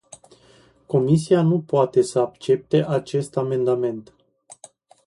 Comisia nu poate să accepte acest amendament.